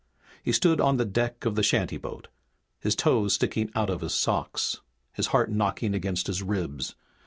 He stood on the deck of the shantyboat, his toes sticking out of his socks, his heart knocking against his ribs.